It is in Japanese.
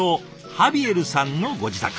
ハビエルさんのご自宅。